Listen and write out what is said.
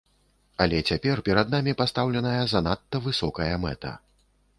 Але цяпер перад намі пастаўленая занадта высокая мэта.